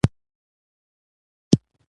نور کسان افغانستان ته ستانه شي